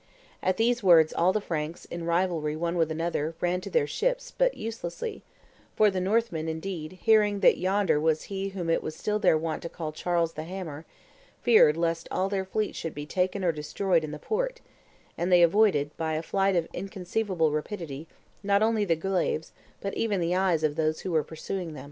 At these words all the Franks, in rivalry one with another, run to their ships, but uselessly: for the Northmen, indeed, hearing that yonder was he whom it was still their wont to call Charles the Hammer, feared lest all their fleet should be taken or destroyed in the port, and they avoided, by a flight of inconceivable rapidity, not only the glaives, but even the eyes of those who were pursuing then.